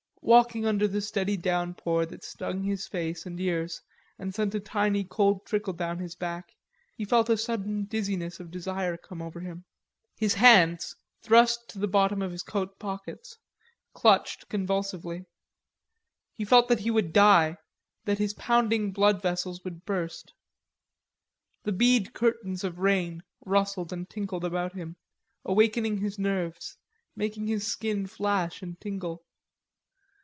Walking under the steady downpour that stung his face and ears and sent a tiny cold trickle down his back, he felt a sudden dizziness of desire come over him. His hands, thrust to the bottom of his coat pockets, clutched convulsively. He felt that he would die, that his pounding blood vessels would burst. The bead curtains of rain rustled and tinkled about him, awakening his nerves, making his skin flash and tingle.